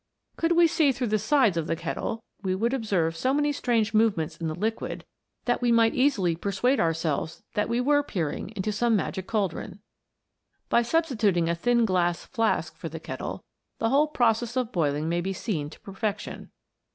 161 Could we see through the sides of the kettle we should observe so many strange movements in the liquid that we might easily persuade cm selves that we were peering into some magic cauldron. By substituting a thin glass flask for the kettle, the whole process of boiling may be seen to perfection.